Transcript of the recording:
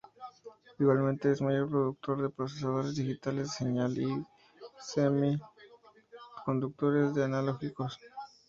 Igualmente, es el mayor productor de procesadores digitales de señal y semiconductores analógicos.